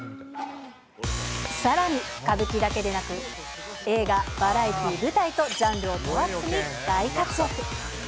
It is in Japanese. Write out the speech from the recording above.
さらに歌舞伎だけでなく、映画、バラエティー、舞台とジャンルを問わずに大活躍。